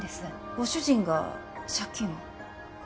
ご主人が借金を？